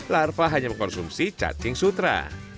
larva hanya mengkonsumsi cacing sutra